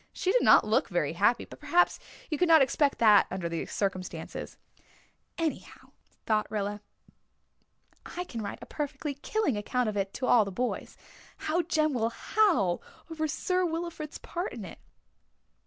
She did not look very happy, but perhaps you could not expect that under the circumstances." "Anyhow," thought Rilla, "I can write a perfectly killing account of it all to the boys. How Jem will howl over Sir Wilfrid's part in it!"